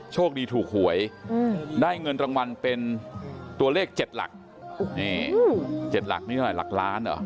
โชคดีถูกหวยได้เงินรางวัลเป็นตัวเลข๗หลักนี่๗หลักนี่เท่าไหหลักล้านเหรอ